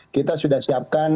kita sudah siapkan